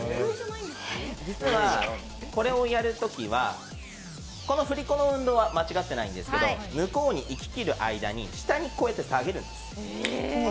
実は、これをやるときはこの振り子の運動は間違っていないんですけど向こうに行ききる間に下にこうやって下げるんです。